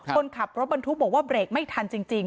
คนขับรถบรรทุกบอกว่าเบรกไม่ทันจริง